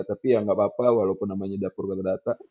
tapi ya nggak apa apa walaupun namanya dapur kata data